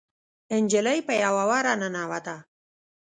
نجلۍ په يوه وره ننوته.